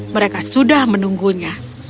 mereka sudah menunggunya